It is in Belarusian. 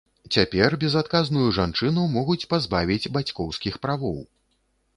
Цяпер безадказную жанчыну могуць пазбавіць бацькоўскіх правоў.